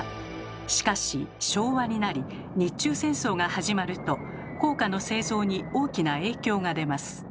しかし昭和になり日中戦争が始まると硬貨の製造に大きな影響が出ます。